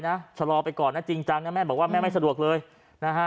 ชะลอไปก่อนนะจริงจังนะแม่บอกว่าแม่ไม่สะดวกเลยนะฮะ